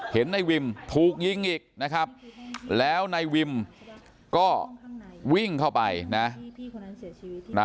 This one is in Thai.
เห็นนายวิมถูกยิงอีกนะครับแล้วนายวิมก็วิ่งเข้าไปนะ